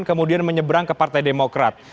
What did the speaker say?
kemudian menyeberang ke partai demokrat